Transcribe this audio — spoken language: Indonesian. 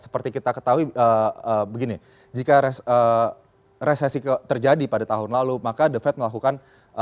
seperti kita ketahui begini jika resesi terjadi pada tahun lalu maka the fed melakukan